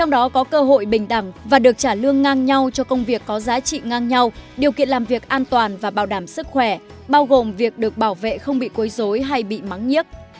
được trả lương ngang nhau cho công việc có giá trị ngang nhau điều kiện làm việc an toàn và bảo đảm sức khỏe bao gồm việc được bảo vệ không bị cối dối hay bị mắng nhiếc